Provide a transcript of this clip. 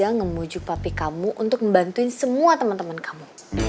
aku udah ngemujuk papi kamu untuk membantuin semua temen temen kamu